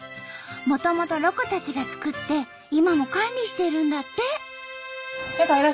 もともとロコたちが作って今も管理してるんだって！